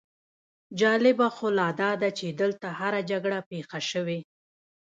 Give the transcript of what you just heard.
جالبه خو لا داده چې دلته هره جګړه پېښه شوې.